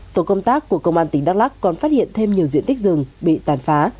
tổ công tác của công an tỉnh đắk lắc còn phát hiện thêm nhiều diện tích rừng bị tàn phá